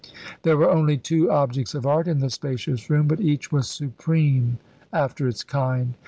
There were only two objects of art in the spacious room, but each was supreme after its kind.